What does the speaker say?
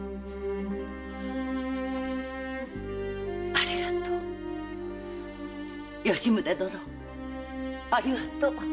ありがとう吉宗殿ありがとう！